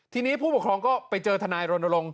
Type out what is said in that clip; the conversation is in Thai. ทีนี้ผู้ปกครองก็ไปเจอทนายรณรงค